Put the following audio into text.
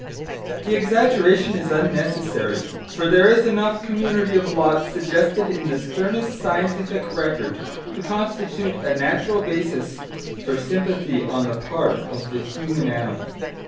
The exaggeration is unnecessary, for there is enough community of lot suggested in the sternest scientific record to constitute a natural basis for sympathy on the part of the human animal.